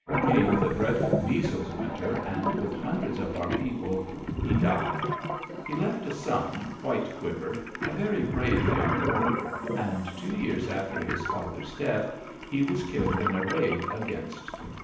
Came the dreadful Measles Winter, and with hundreds of our people, he died. He left a son, White Quiver, a very brave young warrior, and two years after his father's death, he was killed in a raid against the Crows."